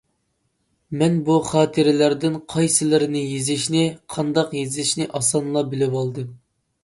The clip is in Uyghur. مەن بۇ خاتىرىلەردىن قايسىلىرىنى يېزىشنى، قانداق يېزىشنى ئاسانلا بىلىۋالدىم.